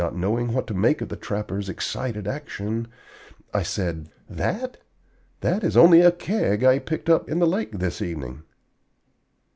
Not knowing what to make of the trapper's excited action, I said: "That? That is only a Keg I picked up in the lake this evening."